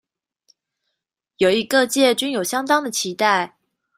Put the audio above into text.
由於各界均有相當的期待